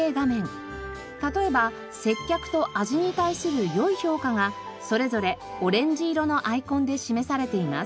例えば接客と味に対する良い評価がそれぞれオレンジ色のアイコンで示されています。